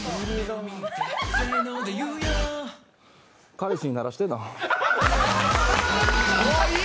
彼氏にならしてな。